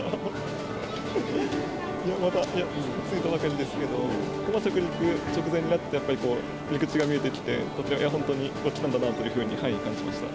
いや、まだ着いたばかりですけど、着陸直前になってやっぱりこう、陸地が見えてきて、本当に来たんだなというふうに感じました。